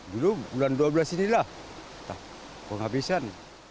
dulu bulan dua belas inilah penghabisan